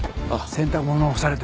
洗濯物が干されてる。